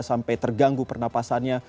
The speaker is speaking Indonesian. sampai terganggu pernapasannya